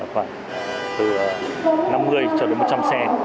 khoảng từ năm mươi cho đến một trăm linh xe